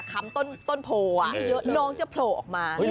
คำโต้นโพอ่ะเยอะน้องจะโผล่ออกมา